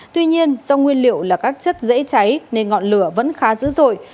tuy nhiên do nguyên liệu là các chất dễ cháy nên ngọn lửa vẫn khá dữ dội